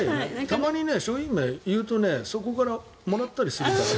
たまに商品名を言うとそこからもらったりするから。